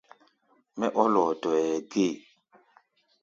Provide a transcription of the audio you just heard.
Mɛ́ ɔ́ lɔɔtɔɛ gée.